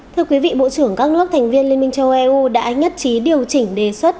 thưa quý vị bộ trưởng các nước thành viên liên minh châu âu đã nhất trí điều chỉnh đề xuất